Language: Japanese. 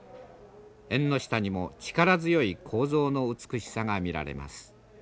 縁の下にも力強い構造の美しさが見られます。